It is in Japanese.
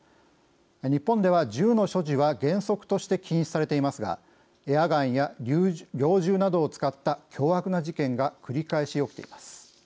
日本では銃の所持は原則として禁止されていますがエアガンや猟銃などを使った凶悪な事件が繰り返し起きています。